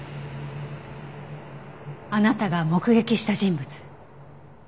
あなたが目撃した人物。